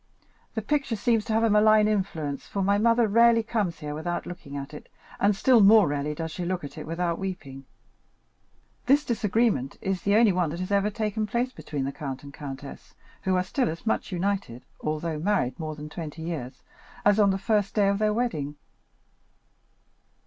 The picture seems to have a malign influence, for my mother rarely comes here without looking at it, and still more rarely does she look at it without weeping. This disagreement is the only one that has ever taken place between the count and countess, who are still as much united, although married more than twenty years, as on the first day of their wedding."